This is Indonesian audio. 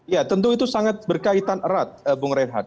ya tentu itu sangat berkaitan erat bung rehat